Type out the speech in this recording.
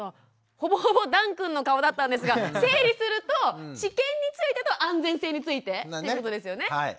ほぼほぼだんくんの顔だったんですが整理すると治験についてと安全性についてということですよね。